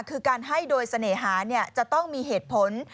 คือการให้โดยเสน่หาจะต้องมีเหตุผล